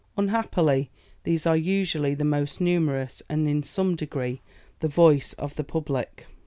Unhappily, these are usually the most numerous, and in some degree the voice of the public."